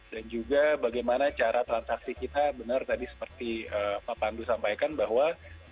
dan juga bagaimana cara transaksi kita benar tadi seperti pak pandu sampaikan bahwa